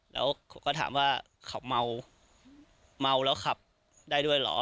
แล้วเขาก็ถามว่าเขาเมาเมาแล้วขับได้ด้วยเหรอ